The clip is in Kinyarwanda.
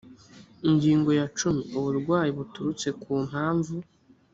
ingingo ya cumi uburwayi buturutse ku mpamvu